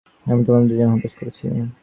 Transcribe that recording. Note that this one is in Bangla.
আমি তোমাদের দুজনকেই হতাশ করেছি।